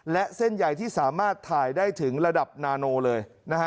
และเส้นใหญ่ที่สามารถถ่ายได้ถึงระดับนาโนเลย